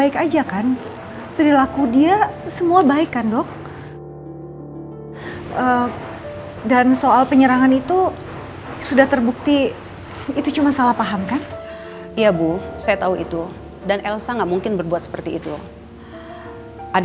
ketika elsa berada di rumah elsa tidak bisa berpikir pikir